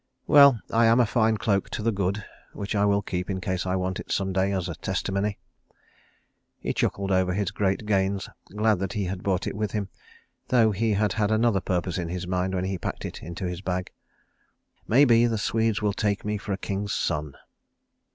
Well, I am a fine cloak to the good, which I will keep in case I want it some day as testimony." He chuckled over his great gains, glad that he had brought it with him, though he had had another purpose in his mind when he packed it into his bag. "May be the Swedes will take me for a king's son."